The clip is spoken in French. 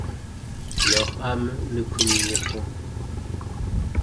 Leurs âmes ne communiaient point.